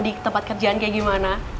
di tempat kerjaan kayak gimana